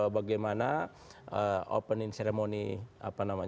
bagaimana opening ceremony